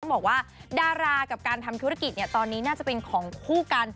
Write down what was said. บอกว่าดารากับการทำธุรกิจตอนนี้น่าจะเป็นของคู่กัน